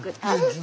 はい。